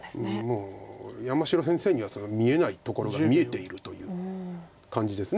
まあ山城先生には見えないところが見えているという感じです。